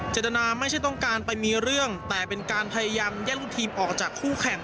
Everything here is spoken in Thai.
จตนาไม่ใช่ต้องการไปมีเรื่องแต่เป็นการพยายามแย่งลูกทีมออกจากคู่แข่ง